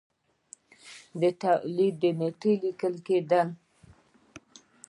د تولید نېټه لیکل کېده.